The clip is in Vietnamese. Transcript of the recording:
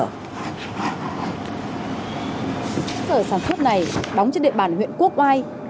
cơ sở sản xuất này đóng trên địa bàn huyện quốc oai